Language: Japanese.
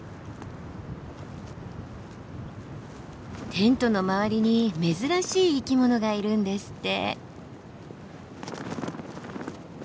テントの周りに珍しい生き物がいるんですって。